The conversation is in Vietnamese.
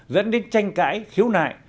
dẫn đến tranh cãi khiếu nại